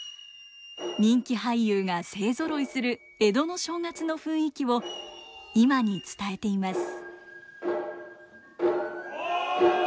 人気俳優が勢ぞろいする江戸の正月の雰囲気を今に伝えています。